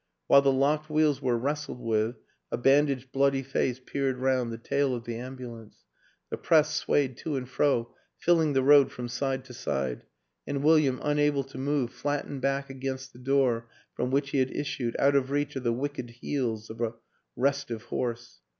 While the locked wheels were wrestled with, a bandaged bloody face peered round the tail of the ambulance; the press swayed to and fro, filling the road from side to side, and William, unable to move, flat tened back against the door from which he had issued, out of reach of the wicked heels of a res tive horse.